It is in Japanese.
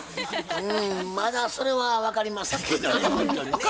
うんまだそれは分かりませんけどね。